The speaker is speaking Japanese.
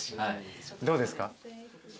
どうですか？